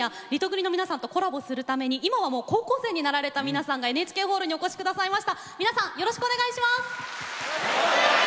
リトグリの皆さんとコラボするために今は高校生になられた皆さんにＮＨＫホールに来ていただいています。